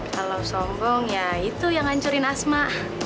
kalau sombong ya itu yang ngancurin asma